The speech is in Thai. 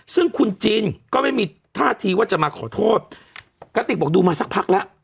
ซึ่งคุณจินก็ไม่มีท่าทีว่าจะมาขอโทษกระติกบอกดูมาสักพักแล้ว